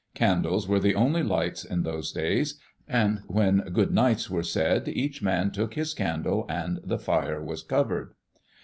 Candles were the only lights in those days, and when "good nights" were said each man took his candle and the fire was covered.